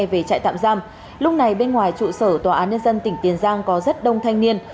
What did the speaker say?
về trại tạm giam lúc này bên ngoài trụ sở tòa án nhân dân tỉnh tiền giang có rất đông thanh niên